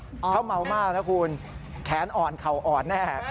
เขาเมามากนะคุณแขนอ่อนเข่าอ่อนแน่